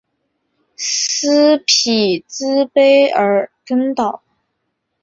斯匹兹卑尔根岛。